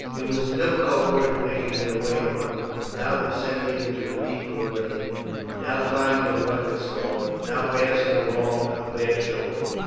It was difficult work making their way on, now descending into a deep ravine, now climbing a rugged slope, now passing along a bare shoulder.